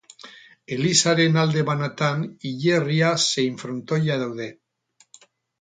Elizaren alde banatan hilerria zein frontoia daude.